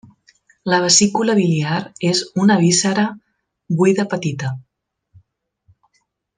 La vesícula biliar és una víscera buida petita.